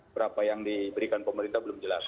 berapa yang diberikan pemerintah belum jelas